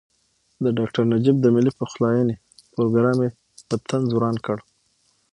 د ډاکټر نجیب د ملي پخلاینې پروګرام یې په طنز وران کړ.